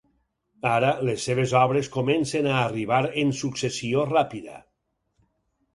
Ara, les seves obres comencen a arribar en successió ràpida.